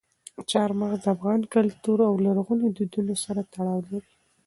چار مغز د افغان کلتور او لرغونو دودونو سره تړاو لري.